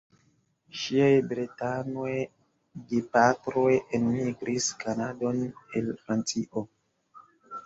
Ŝiaj bretonaj gepatroj enmigris Kanadon el Francio.